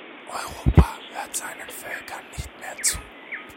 Europa hört seinen Völkern nicht mehr zu.